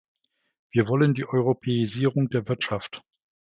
Wir wollen die Europäisierung der Wirtschaft.